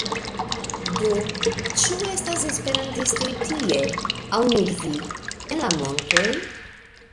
Do, ĉu estas esperantistoj tie? aŭ nur vi? en la montoj?